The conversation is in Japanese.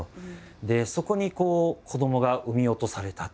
そこに子どもが産み落とされた。